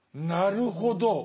なるほど。